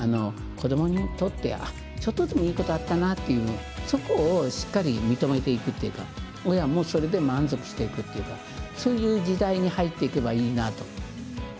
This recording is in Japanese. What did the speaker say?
子どもにとってちょっとでもいいことあったなっていうそこをしっかり認めていくというか親もそれで満足していくっていうかそういう時代に入っていけばいいなと。